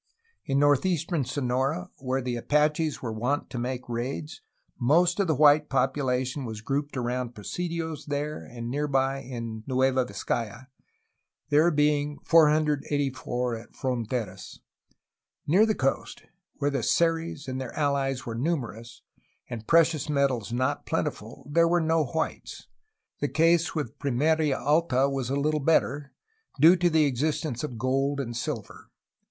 In northeastern Sonora, where the Apaches were wont to make raids, most of the white population was grouped around presidios there and near by in Nueva Vizcaya, there being 484 at Fronteras. Near the coast, where the Seris and their allies were numerous, and precious metals not plentiful, there were no whites. The case with Pimeria Alta was a Uttle better, due to the existence of gold and silver.